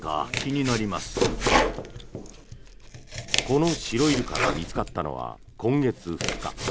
このシロイルカが見つかったのは今月２日。